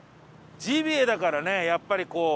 ジビエだからねやっぱりこう。